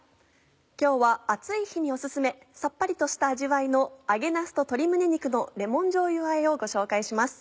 今日は暑い日にお薦めさっぱりとした味わいの「揚げなすと鶏胸肉のレモンじょうゆあえ」をご紹介します。